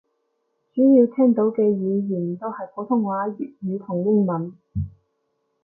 主要聽到嘅語言都係普通話粵語同英文